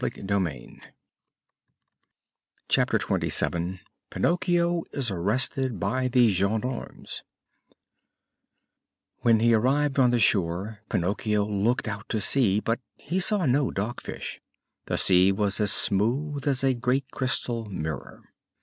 CHAPTER XXVII PINOCCHIO IS ARRESTED BY THE GENDARMES When he arrived on the shore Pinocchio looked out to sea, but he saw no Dog Fish. The sea was as smooth as a great crystal mirror.